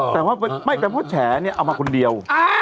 แต่ว่าไม่เป็นเพราะแฉเนี่ยเอามาคนเดียว